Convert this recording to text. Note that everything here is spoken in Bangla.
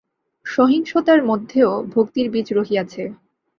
সংহিতার মধ্যেও ভক্তির বীজ রহিয়াছে।